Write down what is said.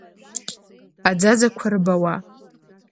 Аӡаӡақәа рбауа.